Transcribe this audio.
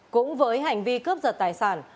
cũng với hành vi cướp giật tài sản